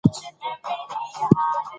خو دلته مونږ يواځې د امريکې